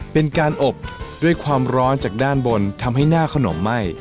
เป็นการอบด้วยความร้อนจากด้านบนทำให้หน้าขนมไหม้